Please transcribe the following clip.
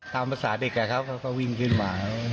ตามภาษาเด็กไอ้ครับเขาก็วิ่งขึ้นมา